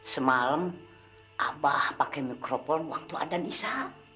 semalam abah pakai mikrofon waktu ada nisa